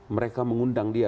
mereka mengundang dia